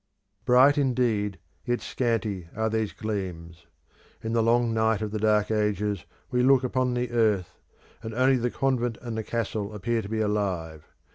Bright, indeed, yet scanty are these gleams. In the long night of the Dark Ages we look upon the earth, and only the convent and the castle appear to be alive.